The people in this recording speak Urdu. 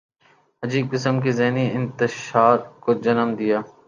عجیب قسم کے ذہنی انتشار کو جنم دیا۔